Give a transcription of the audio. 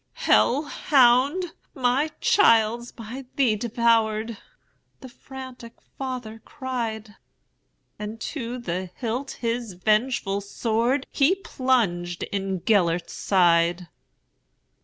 "Hell hound! my child 's by thee devoured,"The frantic father cried; And to the hilt his vengeful swordHe plunged in Gêlert's side.